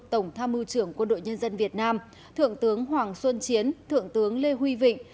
tổng tham mưu trưởng quân đội nhân dân việt nam thượng tướng hoàng xuân chiến thượng tướng lê huy vịnh